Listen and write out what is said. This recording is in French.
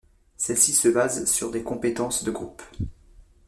Celles-ci se basent sur des compétences de groupe.